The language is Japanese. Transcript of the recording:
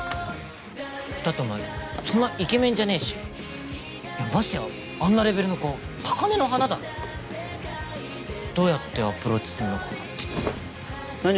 だってお前そんなイケメンじゃねぇしましてやあんなレベルの子高根の花だろどうやってアプローチすんのかなって何？